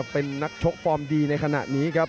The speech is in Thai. เป็นนักชกฟอร์มดีในขณะนี้ครับ